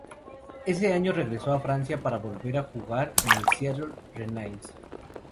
Ese año regresó a Francia para volver a jugar en el Stade Rennais.